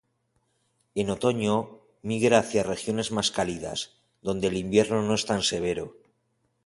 En otoño, migra hacia regiones más cálidas, donde el invierno no es tan severo.